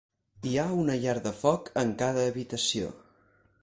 Hi ha una llar de foc en cada habitació.